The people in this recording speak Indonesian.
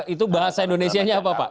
itu bahasa indonesia nya apa pak